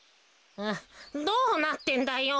どうなってんだよ。